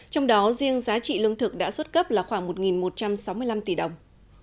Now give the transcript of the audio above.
trong đó riêng giá trị lương thực đã xuất cấp là khoảng một một trăm sáu mươi năm tỷ đồng